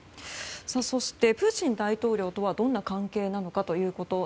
そしてプーチン大統領とはどんな関係なのか。